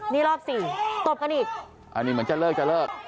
นี่รอบสี่ตบกันอีกอันนี้เหมือนจะเลิกจะเลิก